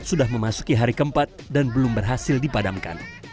sudah memasuki hari keempat dan belum berhasil dipadamkan